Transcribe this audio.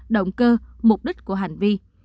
động cơ mục đích của hành vi